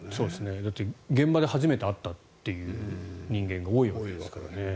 だって現場で初めて会ったという人間が多いわけですからね。